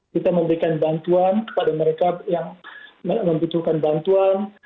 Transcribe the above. kita memberikan bantuan kepada mereka yang membutuhkan bantuan